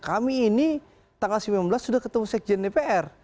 kami ini tanggal sembilan belas sudah ketemu sekjen dpr